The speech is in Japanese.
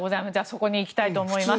そこに行きたいと思います。